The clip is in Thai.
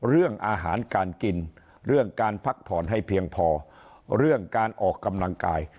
เรื่องอาหารการกินเรื่องการพักผ่อนให้เพียงพอเรื่องการออกกำลังกาย